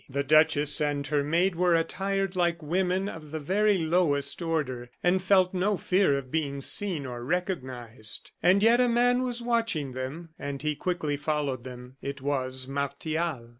The duchess and her maid were attired like women of the very lowest order, and felt no fear of being seen or recognized. And yet a man was watching them, and he quickly followed them. It was Martial.